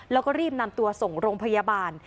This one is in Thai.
แล้วก็รีบนำตัวส่งโรงพยาบาล